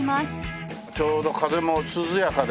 ちょうど風も涼やかで。